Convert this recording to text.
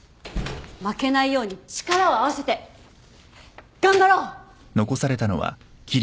負けないように力を合わせて頑張ろう！